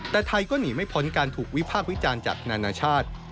แต่ไทยก็หนีไม่พ้นการถูกวิพากษ์วิจารณ์จากนานาชาติ